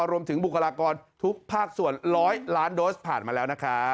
บุคลากรทุกภาคส่วน๑๐๐ล้านโดสผ่านมาแล้วนะครับ